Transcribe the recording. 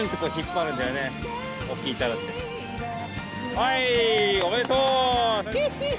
はいおめでとう！